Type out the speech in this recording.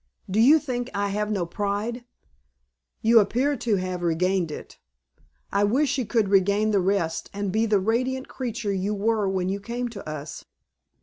Do you think I have no pride?" "You appear to have regained it. I wish you could regain the rest and be the radiant creature you were when you came to us.